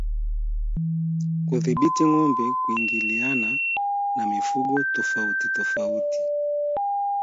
Kudhibiti ngombe kuingiliana na mifugo tofautitofauti